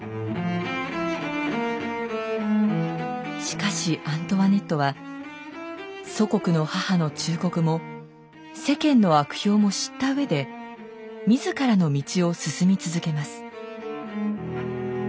しかしアントワネットは祖国の母の忠告も世間の悪評も知ったうえで自らの道を進み続けます。